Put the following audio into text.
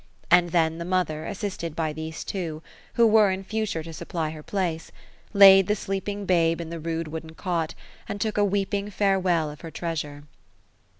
A.nd then the mother, assisted by these two. — who were in future to supply her place, — laid the sleeping bube in (be rude wooden cot. and took a weeping farewell of her treasure.